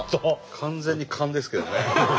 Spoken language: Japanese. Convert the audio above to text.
完全に勘ですけどね。